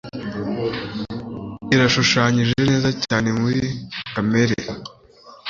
Irashushanyije neza cyane muri kamere